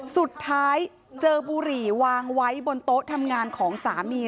สุดท้ายเจอบุหรี่วางไว้บนโต๊ะทำงานของสามี